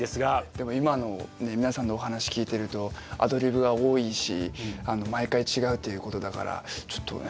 でも今の皆さんのお話聞いてるとアドリブが多いし毎回違うということだからちょっとね。